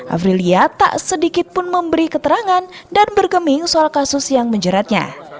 afrilia tak sedikit pun memberi keterangan dan bergeming soal kasus yang menjeratnya